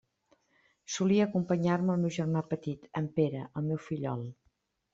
Solia acompanyar-me el meu germà petit, en Pere, el meu fillol.